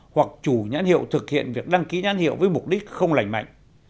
hoặc chủ nhãn hiệu thực hiện việc đăng ký nhãn hiệu với mục đích không lành mạnh